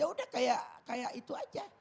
ya udah kayak itu aja